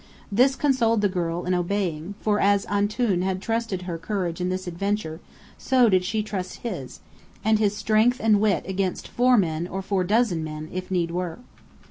This consoled the girl in obeying; for as "Antoun" had trusted her courage in this adventure, so did she trust his, and his strength and wit against four men or four dozen men, if need were.